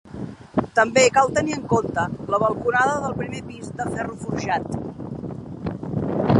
També cal tenir en compte la balconada del primer pis de ferro forjat.